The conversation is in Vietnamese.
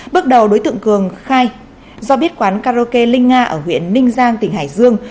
bước đầu đối tượng cường khai do biết quán karaoke linh nga ở huyện ninh giang tỉnh hải dương